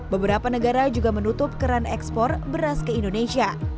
beberapa negara juga menutup keran ekspor beras ke indonesia